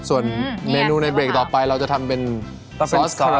ส่วนเมนูในเบรกต่อไปเราจะทำเป็นซอสการะ